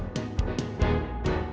riri kalau kamu butuh perawat